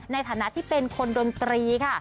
ในฐานะที่เป็นคนดนตรีค่ะ